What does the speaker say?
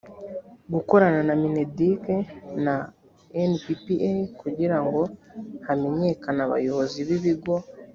gukorana na mineduc na nppa kugira ngo hamenyekane abayobozi b ibigo